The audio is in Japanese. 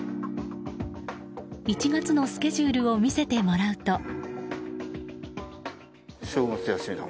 １月のスケジュールを見せてもらうと。